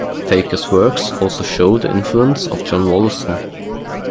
Feke's works also show the influence of John Wollaston.